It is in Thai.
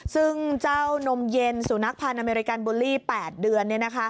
ซึ่งเจ้านมเย็นสุนัขพันธ์อเมริกันบูลลี่๘เดือน